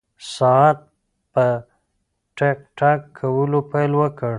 ساعت په ټک ټک کولو پیل وکړ.